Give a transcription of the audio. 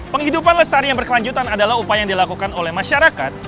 penghidupan lestari yang berkelanjutan adalah upaya yang dilakukan oleh masyarakat